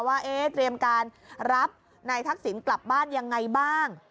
ว่าเตรียมการรับนายทักษิณกลับบ้านยังไงบ้าง